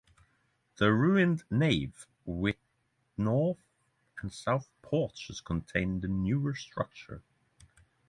The ruined nave with north and south porches contains the newer structure.